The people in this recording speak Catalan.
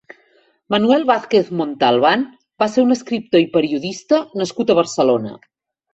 Manuel Vázquez Montalbán va ser un escriptor i periodista nascut a Barcelona.